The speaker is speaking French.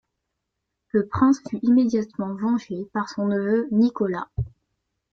Le prince fut immédiatement vengé par son neveu Nikola.